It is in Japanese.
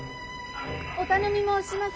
お頼み申します！